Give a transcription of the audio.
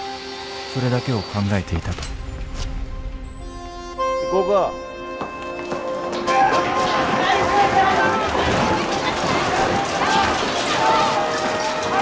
それだけを考えていたと行こうか。